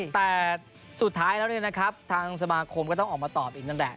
แต่สุดท้ายแล้วเนี่ยนะครับทางสมาคมก็ต้องออกมาตอบอีกนั่นแหละ